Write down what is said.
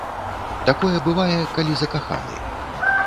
Такое бывае, калі закаханы.